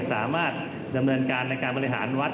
สามารถดำเนินการในการบริหารวัด